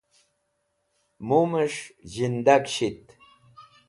mum'esh zhindag shit